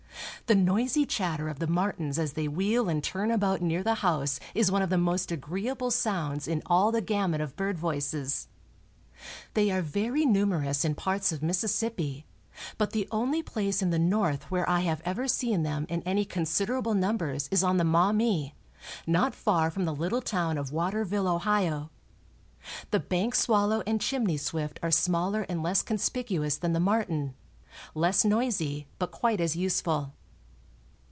The noisy chatter of the martins as they wheel and turn about near the house is one of the most agreeable sounds in all the gamut of bird voices. They are very numerous in parts of Mississippi, but the only place in the North where I have ever seen them in any considerable numbers is on the Maumee, not far from the little town of Waterville, Ohio. The bank swallow and chimney swift are smaller and less conspicuous than the martin, less noisy but quite as useful.